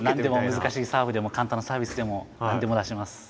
難しいサーブでも簡単なサービスでも何でも出します。